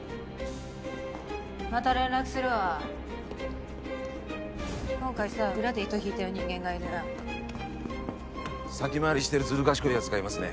また連絡するわ今回さ裏で糸引いてる人間がいるな先回りしてるずる賢いやつがいますね